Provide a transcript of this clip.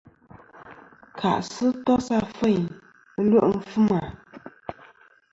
Kà'sɨ tos afeyn ɨlwe' fɨma.